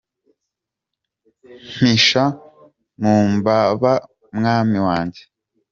Mpisha mumbaba mwami wanjye.